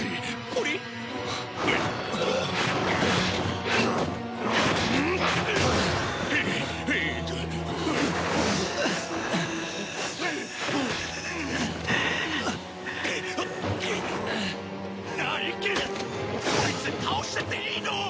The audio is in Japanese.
こいつ倒しちゃっていいの！？